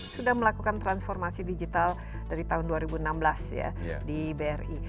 sudah melakukan transformasi digital dari tahun dua ribu enam belas ya di bri